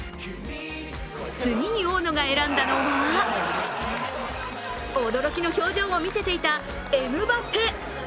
次に大野が選んだのは驚きの表情を見せていたエムバペ。